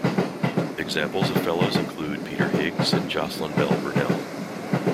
Examples of fellows include Peter Higgs and Jocelyn Bell Burnell.